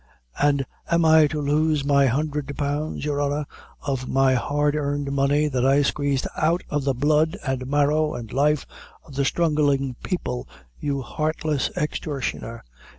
"An' am I to lose my hundre pounds, your honor, of my hard earned money, that I squeezed " "Out of the blood and marrow and life of the struggling people, you heartless extortioner!